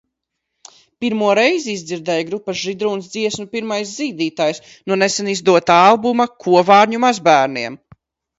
Pirmo reizi izdzirdēju grupas "Židrūns" dziesmu "Pirmais zīdītājs" no nesen izdotā albuma "Kovārņu mazbērniem".